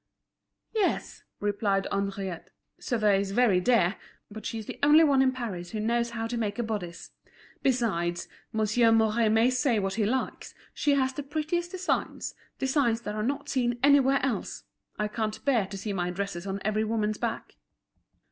"Yes," replied Henriette, "Sauveur is very dear, but she is the only one in Paris who knows how to make a bodice. Besides, Monsieur Mouret may say what he likes, she has the prettiest designs, designs that are not seen anywhere else. I can't bear to see my dresses on every woman's back."